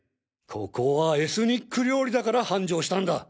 ここはエスニック料理だから繁盛したんだ！